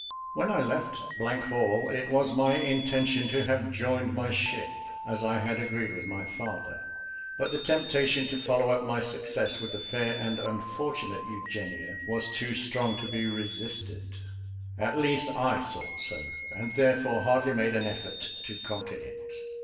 When I left Hall, it was my intention to have joined my ship, as I had agreed with my father; but the temptation to follow up my success with the fair and unfortunate Eugenia was too strong to be resisted; at least I thought so, and therefore hardly made an effort to conquer it.